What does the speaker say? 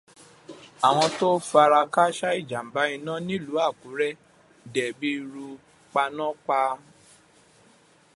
Àwọn tó fara káásá ìjàmbá iná nílùú Àkúrẹ́ d'ẹ̀bi ru panápan.